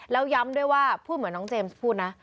แล้วย้ำด้วยว่าพูดเหมือนน้องเจมส์พูดนะ